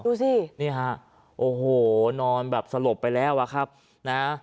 ดูสินี่ฮะโอ้โหนอนแบบสลบไปแล้วอะครับนะ